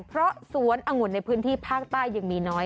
เพราะสวนองุ่นในพื้นที่ภาคใต้ยังมีน้อย